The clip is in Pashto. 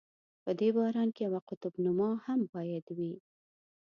په دې باران کې یوه قطب نما هم باید وي.